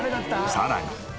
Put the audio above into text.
さらに。